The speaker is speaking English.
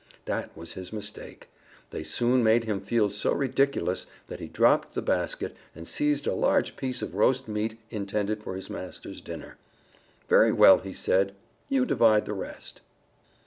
That was his mistake. They soon made him feel so ridiculous that he dropped the basket and seized a large piece of roast meat intended for his master's dinner. "Very well," he said, "you divide the rest."